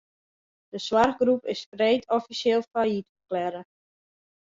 De soarchgroep is freed offisjeel fallyt ferklearre.